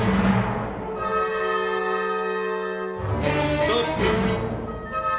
ストップ。